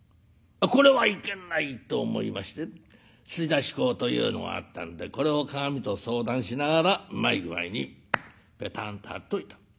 これはいけないと思いまして吸出膏というのがあったんでこれを鏡と相談しながらうまい具合にぺたんと貼っといた。